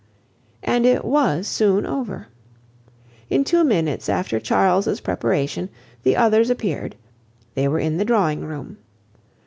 And it was soon over. In two minutes after Charles's preparation, the others appeared; they were in the drawing room.